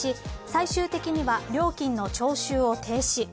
最終的には料金の徴収を停止。